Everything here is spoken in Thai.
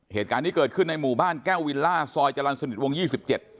เหตุการณ์นี้เกิดขึ้นในหมู่บ้านแก้ววิลล่าซอยจรรย์สนิทวงยี่สิบเจ็ด